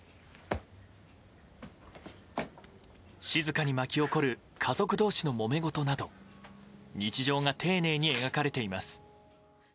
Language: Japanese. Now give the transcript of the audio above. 静かに巻き起こる家族同士のもめごとなど日常が丁寧に描かれています。